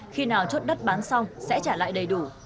khi nào chốt đất bán xong sẽ trả lại đầy đủ